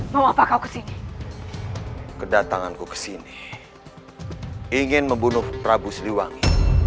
mau apa kau kesini kedatanganku kesini ingin membunuh prabu siliwangi